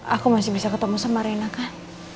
aku masih bisa ketemu sama rena kah